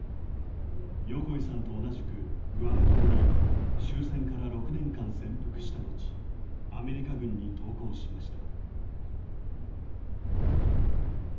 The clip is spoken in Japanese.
横井さんと同じく、グアム島に終戦から６年間、潜伏したのち、アメリカ軍に投降しました。